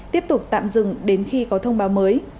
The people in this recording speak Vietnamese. tiếp tục tạm dừng đến khi có thông báo mới